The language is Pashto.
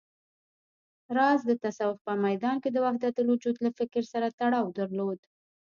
راز د تصوف په ميدان کې د وحدتالوجود له فکر سره تړاو درلود